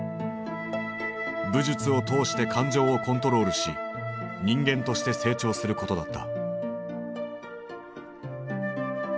武術を通して感情をコントロールし人間として成長することだった。